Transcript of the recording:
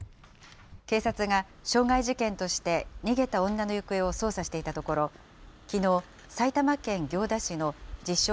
警察が傷害事件として逃げた女の行方を捜査していたところ、きのう、埼玉県行田市の自称